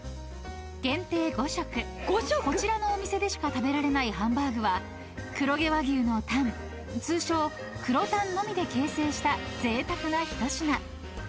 ［限定５食こちらのお店でしか食べられないハンバーグは黒毛和牛のタン通称黒タンのみで形成したぜいたくな一品］